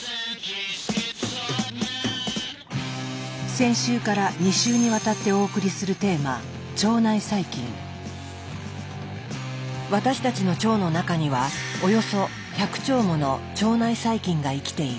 先週から２週にわたってお送りするテーマ私たちの腸の中にはおよそ１００兆もの腸内細菌が生きている。